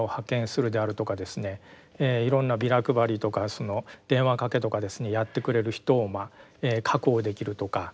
いろんなビラ配りとか電話かけとかですねやってくれる人を確保できるとか。